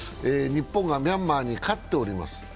日本がミャンマーに勝っております。